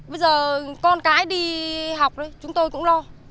bây giờ con cái đi học đấy chúng tôi cũng lo